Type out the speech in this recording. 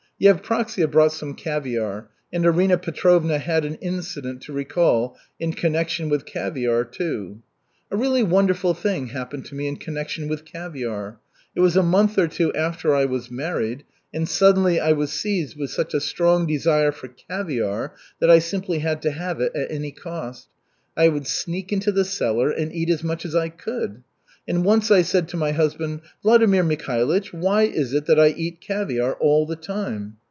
Yevpraksia brought some caviar and Arina Petrovna had an incident to recall in connection with caviar, too. "A really wonderful thing happened to me in connection with caviar. It was a month or two after I was married and suddenly I was seized with such a strong desire for caviar that I simply had to have it at any cost. I would sneak into the cellar and eat as much as I could. And once I said to my husband, 'Vladimir Mikhailych, why is it that I eat caviar all the time?'